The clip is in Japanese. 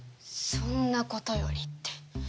「そんなことより」って。